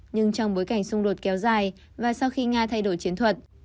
nhưng trong bối cảnh xung đột kéo dài và sau khi nga thay đổi chiến thuật